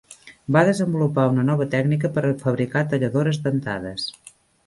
Va desenvolupar una nova tècnica per fabricar talladores dentades.